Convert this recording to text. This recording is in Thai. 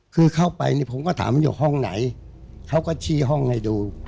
คือเข้าไปเนี่ยผมก็ถามมันอยู่ห้องไหนเขาก็ชี้ห้องให้ดู